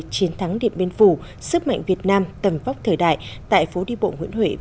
chiến thắng điểm biên phủ sức mạnh việt nam tầm vóc thời đại tại phố đi bộ huyện huệ